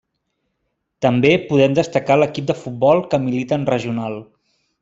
També podem destacar l'equip de futbol que milita en regional.